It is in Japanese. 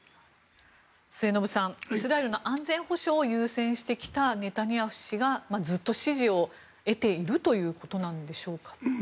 末延さん、イスラエルの安全保障を優先してきたネタニヤフ氏がずっと支持を得ているということなんでしょうか。